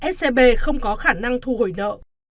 scb không có khả năng thu hồi nợ